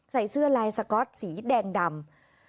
ใส่เสื้อลายสก๊อตสีแดงดำ